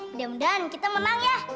mudah mudahan kita menang ya